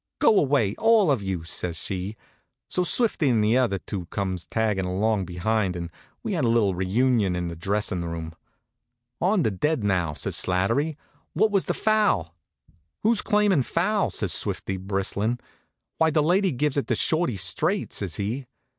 "Go away, all of you!" says she. So Swifty and the other two comes taggin' along behind, and we had a little reunion in the dressin' room. "On the dead, now," says Slattery, "what was the foul?" "Who's claimin' foul?" says Swifty, bristlin'. "Why the lady gives it to Shorty straight," says he.